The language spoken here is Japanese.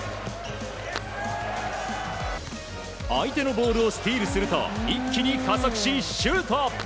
相手のボールをスティールすると一気に加速しシュート。